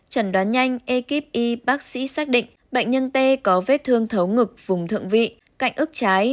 trần đoán nhanh ekip y bác sĩ xác định bệnh nhân t có vết thương thấu ngực vùng thượng vị cạnh ức trái